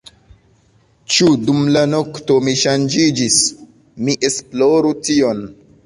Ĉu dum la nokto mi ŝanĝiĝis? mi esploru tion.